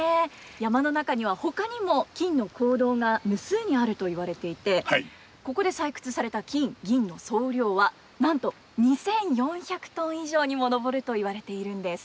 山の中にはほかにも金の坑道が無数にあると言われていてここで採掘された金銀の総量はなんと２，４００トン以上にも上ると言われているんです。